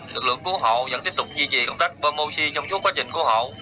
lực lượng cứu hộ vẫn tiếp tục duy trì công tác pomoci trong suốt quá trình cứu hộ